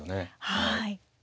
はい。